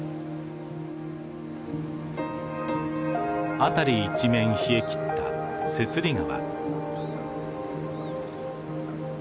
辺り一面冷えきった雪裡川。